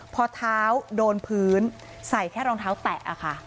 พอเท้าโดนพื้นใส่แค่รองเท้าแตะค่ะ